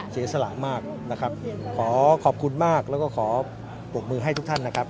เสียสละมากนะครับขอขอบคุณมากแล้วก็ขอปรบมือให้ทุกท่านนะครับ